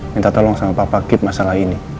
minta tolong sama papa keep masalah ini